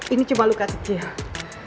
ini cuma luka kecil